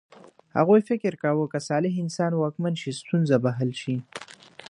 هغوی فکر کاوه که صالح انسان واکمن شي ستونزه به حل شي.